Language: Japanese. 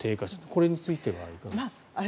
これについてはいかがでしょうか。